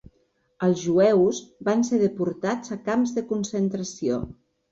Els jueus van ser deportats a camps de concentració.